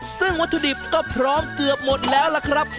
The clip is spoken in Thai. ซึ่งวัตถุดิบก็พร้อมเกือบหมดแล้วล่ะครับ